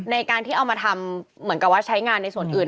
ในการที่เอามาทำเหมือนกับว่าใช้งานในส่วนอื่น